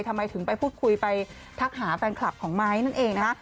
ทำไมถึงไปพูดคุยไปทักหาแฟนคลับของไม้นั่นเองนะคะ